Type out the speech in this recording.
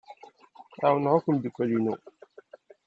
Ɛawneɣ akk imeddukal-inu.